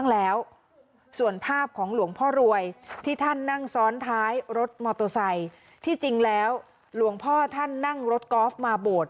แล้วหลวงพ่อท่านนั่งรถกอล์ฟมาโบสถ์